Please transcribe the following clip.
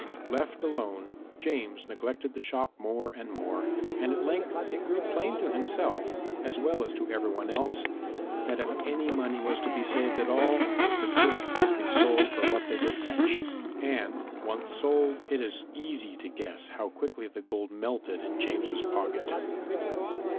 Left alone, James neglected the shop more and more, and at length it grew plain to himself, as well as to everybody else, that if any money was to be saved at all, the goods must be sold for what they would fetch. And once sold, it is easy to guess how quickly the gold melted in James's pocket.